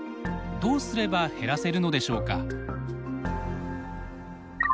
どうすれば減らせるのでしょうか。